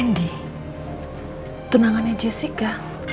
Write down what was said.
rendy tunangannya jessica